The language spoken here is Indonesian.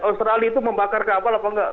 australia itu membakar kapal atau tidak